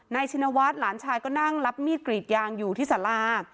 ชินวัฒน์หลานชายก็นั่งรับมีดกรีดยางอยู่ที่สารา